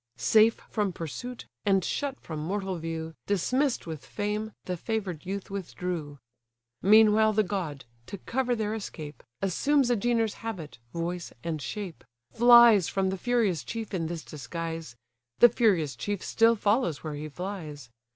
Safe from pursuit, and shut from mortal view, Dismiss'd with fame, the favoured youth withdrew. Meanwhile the god, to cover their escape, Assumes Agenor's habit, voice and shape, Flies from the furious chief in this disguise; The furious chief still follows where he flies.